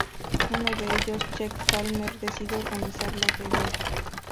Uno de ellos, Chuck Palmer, decide organizar la guerrilla.